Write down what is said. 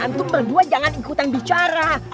mahu banda jangan ikut ikutan bicara